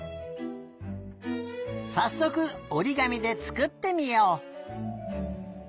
さっそくおりがみでつくってみよう！